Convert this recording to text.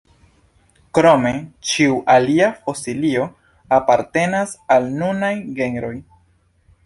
Krome ĉiu alia fosilio apartenas al nunaj genroj.